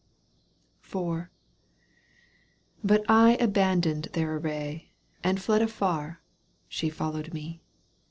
IV, But I abandoned their array, And fled afar — she followed me.